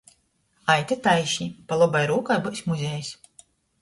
Ejte taišni, pa lobai rūkai byus muzejs.